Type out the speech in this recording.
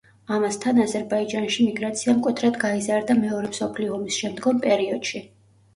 ამასთან, აზერბაიჯანში მიგრაცია მკვეთრად გაიზარდა მეორე მსოფლიო ომის შემდგომ პერიოდში.